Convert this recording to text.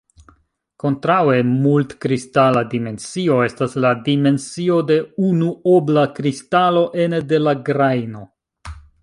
Kontraŭe, "mult-kristala dimensio" estas la dimensio de unuobla kristalo ene de la grajno.